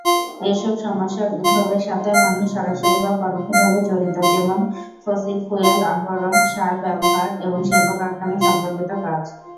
এইসব সমস্যার উদ্ভবের সাথে মানুষ সরাসরি বা পরোক্ষভাবে জড়িত যেমন ফসিল ফুয়েল আহরণ, সার ব্যবহার এবং শিল্প কারখানা সম্পর্কিত কাজ।